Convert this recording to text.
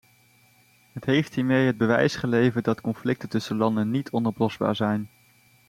Het heeft hiermee het bewijs geleverd dat conflicten tussen landen niet onoplosbaar zijn.